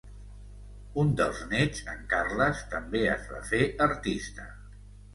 Un dels néts, en Carles, també es va fer artista.